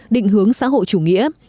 định hướng xã hội chủ nghĩa